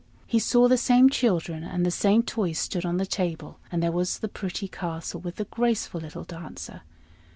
he saw the same children, and the same toys stood on the table; and there was the pretty castle with the graceful little Dancer.